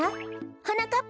はなかっ